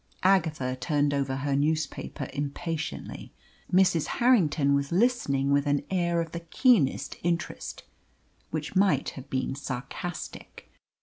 Agatha turned over her newspaper impatiently. Mrs. Harrington was listening with an air of the keenest interest, which might have been sarcastic.